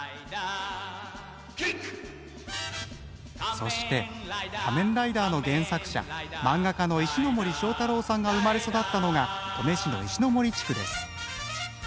そして仮面ライダーの原作者漫画家の石森章太郎さんが生まれ育ったのが登米市の石森地区です。